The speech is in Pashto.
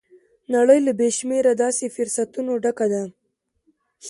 نړۍ له بې شمېره داسې فرصتونو ډکه ده.